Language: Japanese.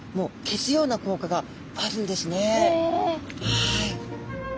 はい。